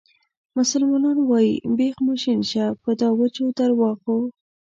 مسلمانان وایي بیخ مو شین شه په دا وچو درواغو.